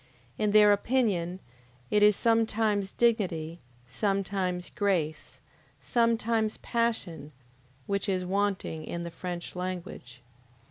In their opinion it is sometimes dignity, sometimes grace, sometimes passion, which is wanting in the French language.